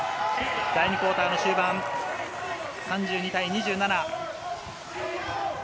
第２クオーターの終盤、３２対２７。